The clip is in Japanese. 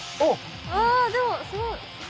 あでもすごい！